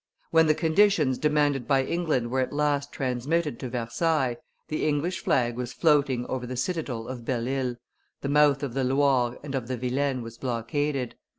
When the conditions demanded by England were at last transmitted to Versailles, the English flag was floating over the citadel of Belle Isle, the mouth of the Loire and of the Vilaine was blockaded.